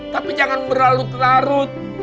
tapi jangan berlalu lalu